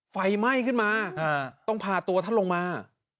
ไฟไหม้ขึ้นมาต้องพาตัวท่านลงมา